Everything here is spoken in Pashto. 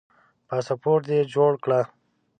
پاسپورټ دي جوړ کړه